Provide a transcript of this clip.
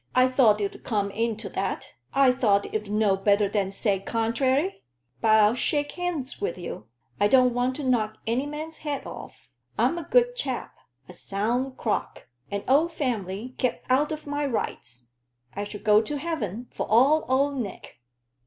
"I thought you'd come in to that. I thought you'd know better than say contrairy. But I'll shake hands wi' you; I don't want to knock any man's head off. I'm a good chap a sound crock an old family kep' out o' my rights. I shall go to heaven, for all Old Nick."